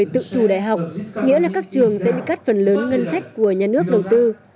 tự chủ đại học nghĩa là các trường sẽ bị cắt phần lớn ngân sách của nhà nước đầu tư